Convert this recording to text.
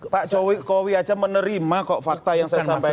pak jokowi aja menerima kok fakta yang saya sampaikan